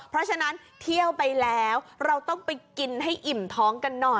เพราะฉะนั้นเที่ยวไปแล้วเราต้องไปกินให้อิ่มท้องกันหน่อย